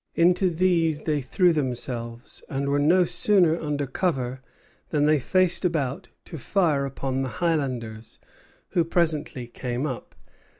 Into these they threw themselves; and were no sooner under cover than they faced about to fire upon the Highlanders, who presently came up.